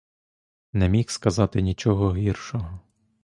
Не міг сказати нічого гіршого.